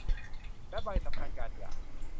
และใบสำคัญการหย่า